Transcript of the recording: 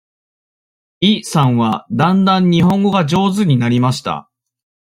イさんはだんだん日本語が上手になりました。